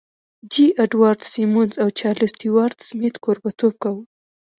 جې اډوارډ سیمونز او چارلیس سټیوارټ سمیت کوربهتوب کاوه